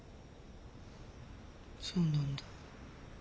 そうなんだ。